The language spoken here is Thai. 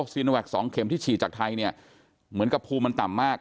ซีโนแวค๒เข็มที่ฉีดจากไทยเนี่ยเหมือนกับภูมิมันต่ำมาก